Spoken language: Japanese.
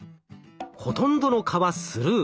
ほとんどの蚊はスルー。